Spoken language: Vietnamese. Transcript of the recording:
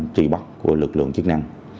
trị bắt của lực lượng chức năng